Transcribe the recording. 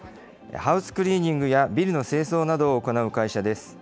ハウスクリーニングやビルの清掃などを行う会社です。